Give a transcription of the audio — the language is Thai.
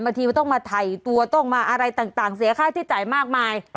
บางทีต้องมาถ่ายตัวต้องมาอะไรต่างเสียค่าใช้จ่ายมากมาย